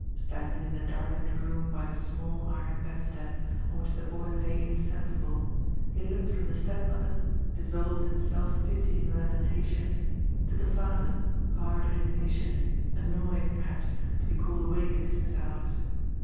Standing in the darkened room by the small iron bedste»ad on which the boy lay insensible, he looked from the stepmother, dissolved in self pitying lam entations, to the father, hard and impatient, annoyed, per haps, to be caUed away in business hours.